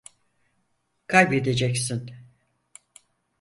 Kaybedeceksin.